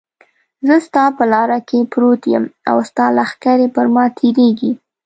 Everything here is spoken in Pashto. زه ستا په لاره کې پروت یم او ستا لښکرې پر ما تېرېږي.